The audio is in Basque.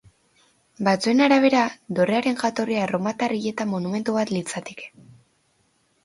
Batzuen arabera, dorrearen jatorria erromatar hileta monumentu bat litzateke.